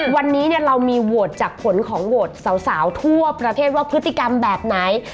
วันนี้เรามีโหวตจากผลของโหวตสาวทั่วประเทศว่าพฤติกรรมแบบไหน